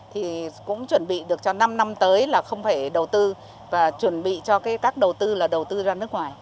thì cũng chuẩn bị được cho năm năm tới là không phải đầu tư và chuẩn bị cho các đầu tư là đầu tư ra nước ngoài